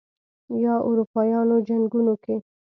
یا اروپايانو جنګونو کې